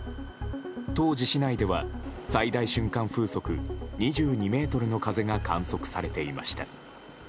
当時、市内では最大瞬間風速２２メートルの風が観測されていました。